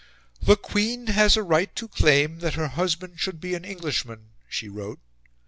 "The Queen has a right to claim that her husband should be an Englishman," she wrote.